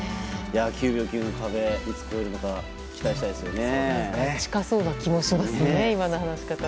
９秒９の壁をいつ超えるのか期待したいですね。